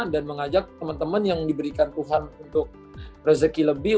dan mengajak teman teman yang diberikan tuhan untuk rezeki lebih